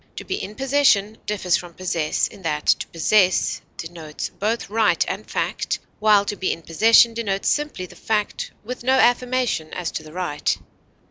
To be in possession differs from possess in that to possess denotes both right and fact, while to be in possession denotes simply the fact with no affirmation as to the right.